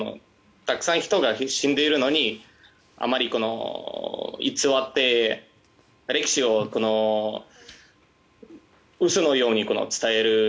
たくさん人が死んでいるのにあまり偽って歴史を嘘のように伝える。